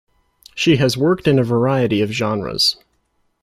She has worked in a variety of genres.